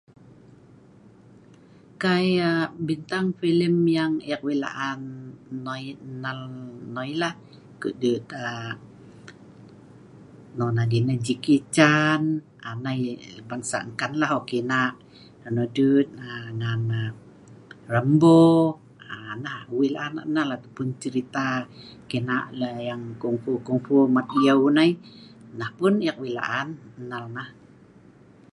kai um bintang filem yang eek wei' la'an noi nal err noi lah ku'dut um non adin yah Jackie Chan aa nai yah bangsa enkan la hok, kenak um nonoh dut um ngan um Rambo um nah wei' la'an eek nal, nah pun cerita kenak yang eek kungfu kungfu mat yeu nai nah pun eek wei' la'an nal nah